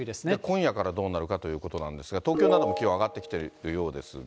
今夜からどうなるかということなんですが、東京なども気温上がってきているようですが。